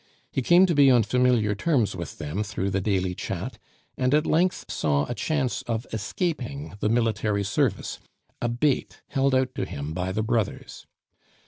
He came to be on familiar terms with them through the daily chat, and at length saw a chance of escaping the military service, a bait held out to him by the brothers.